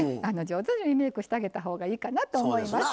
上手にリメイクしてあげたほうがいいかなと思います。